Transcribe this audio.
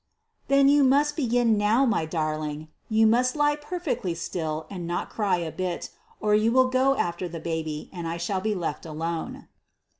"Then you must begin now, my darling. You must lie perfectly still, and not cry a bit, or you will go after the baby, and I shall be left alone."